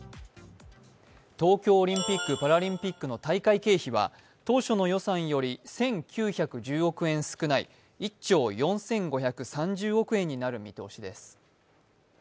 東京オリンピック・パラリンピックの大会経費は当初の予算より１９１０億円少ない１兆４５３０億円になる見通しです。